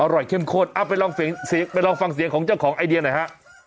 อร่อยเข้มข้นเอาไปลองเสียงไปลองฟังเสียงของเจ้าของไอเดียหน่อยฮะ